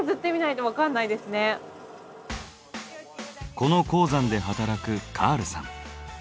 この鉱山で働くカールさん。